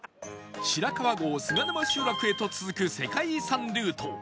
白川郷菅沼集落へと続く世界遺産ルート